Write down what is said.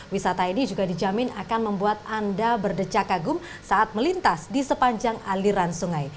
wisata ini juga dijamin akan membuat anda berdecak kagum saat melintas di sepanjang aliran sungai